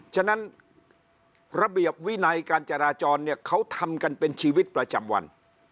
ฉะนั้นระเบียบวินัยการจราจรเนี่ยเขาทำกันเป็นชีวิตประจำวัน